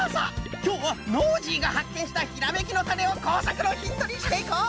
きょうはノージーがはっけんしたひらめきのタネをこうさくのヒントにしていこう！